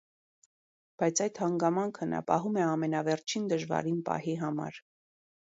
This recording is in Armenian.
Բայց այդ հանգամանքը նա պահում է ամենավերջին դժվարին պահի համար։